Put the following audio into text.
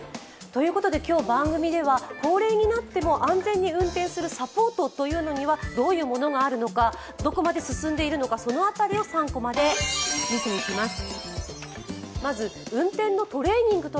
今日番組では、高齢になっても安全に運転するサポートにはどういうものがあるのかどこまで進んでいるのか、その辺りを３コマで見ていきます。